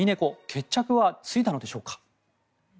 決着はついたのでしょうか。